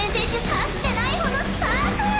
かつてないほどスパーク！